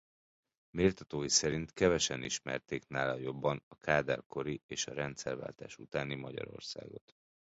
Méltatói szerint kevesen ismerték nála jobban a Kádár-kori és a rendszerváltás utáni Magyarországot.